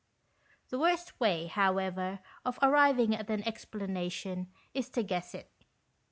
The worst way, however, of arriving at an explanation is to guess it.